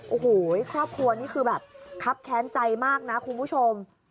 โอ้โหครอบครัวนี่คือแบบครับแค้นใจมากนะคุณผู้ชม